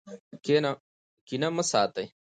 کینه مه ساتئ.